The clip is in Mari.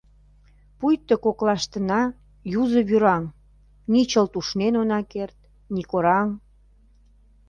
Пуйто коклаштына — юзо вӱраҥ: Ни чылт ушнен она керт, ни кораҥ…